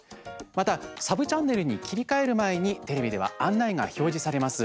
またサブチャンネルに切り替える前にテレビでは案内が表示されます。